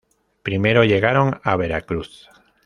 Primero llegaron a Veracruz.